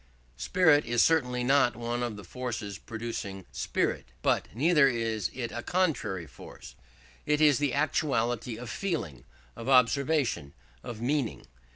Spirit is certainly not one of the forces producing spirit, but neither is it a contrary force. It is the actuality of feeling, of observation, of meaning.